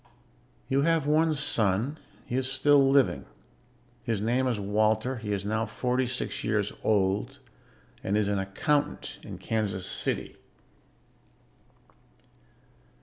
You have one son. He is still living; his name is Walter; he is now forty six years old and is an accountant in Kansas City."